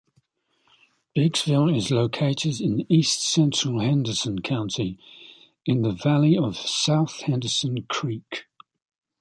Biggsville is located in east-central Henderson County in the valley of South Henderson Creek.